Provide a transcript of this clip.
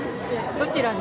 どちらに？